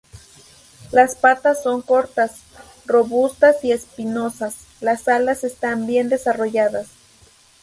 Las patas son cortas, robustas y espinosas; las alas están bien desarrolladas.